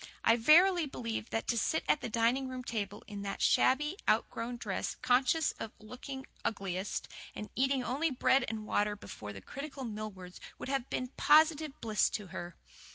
I verily believe that to sit at the dining room table, in that shabby, outgrown dress, conscious of looking her ugliest, and eating only bread and water before the critical Millwards would have been positive bliss to her.